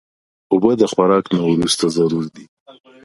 اوبه د خوراک نه وروسته ضرور دي.